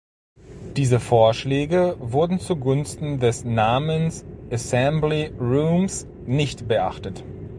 Diese Vorschläge wurden zugunsten des Namens "Assembly Rooms" nicht beachtet.